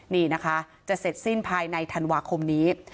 นี่นะคะจะเสร็จสิ้นภายในธันวาคมนี้